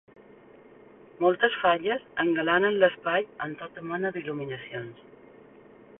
Moltes falles engalanen l’espai amb tota mena d’il·luminacions.